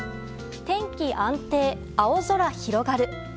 天気安定、青空広がる。